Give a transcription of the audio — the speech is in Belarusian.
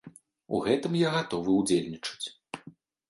У гэтым я гатовы ўдзельнічаць.